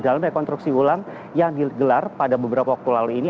dalam rekonstruksi ulang yang digelar pada beberapa waktu lalu ini